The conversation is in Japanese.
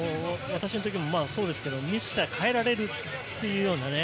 私の時もそうですがミスしたら代えられるというようなね。